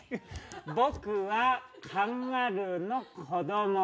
僕はカンガルーの子ども。